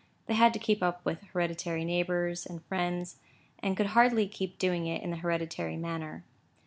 They had to keep up with hereditary neighbours and friends, and could hardly help doing it in the hereditary manner.